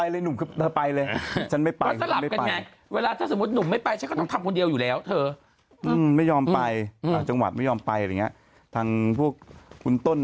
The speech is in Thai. เราก็ไม่ชอบว่าพี่หนุ่ม